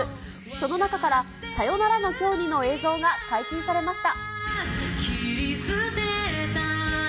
その中から、さよならの今日にの映像が解禁されました。